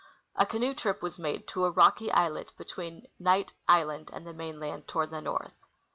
A canoe trip was made to a rocky islet between Knight island and the mainland toward the north.